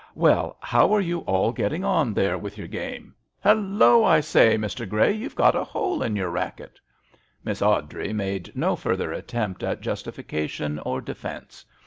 Well, how are you all getting on there with your game? Hallo! I say, Mr. Grey, you've got a hole in your racket." Miss Awdrey made no further attempt at justification or defence.